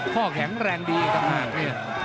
ข้อแข็งแรงดีกันมาก